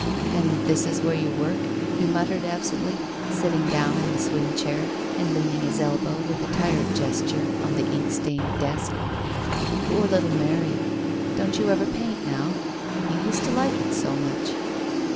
" And this is where you work ?" he mut tered, absently sitting down in the swing chair, and leaning his elbows, with a tired gesture, on the ink stained desk. " Poor little Mary! Don't you ever paint, now? You used to like it so much."